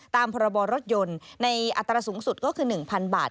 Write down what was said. พรบรถยนต์ในอัตราสูงสุดก็คือ๑๐๐๐บาท